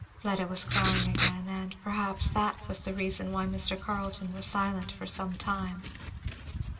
Fleda was crying again, and perhaps that was the reason why Mr. Carleton was silent for some time.